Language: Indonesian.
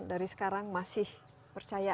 dari sekarang masih percaya